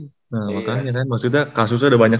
nah makanya kan maksudnya kasusnya udah banyak